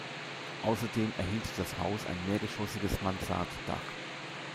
Außerdem erhielt das Haus ein mehrgeschossiges Mansarddach.